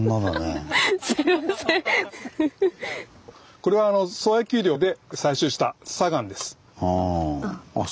これは宗谷丘陵で採集した砂岩です。